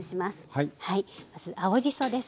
まず青じそです。